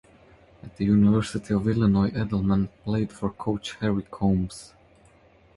At the University of Illinois, Eddleman played for coach Harry Combes.